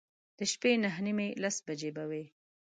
د شپې نهه نیمې، لس بجې به وې.